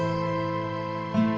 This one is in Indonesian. gak ada apa apa